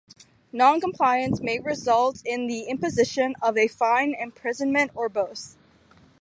Non-compliance may result in the imposition of a fine, imprisonment, or both.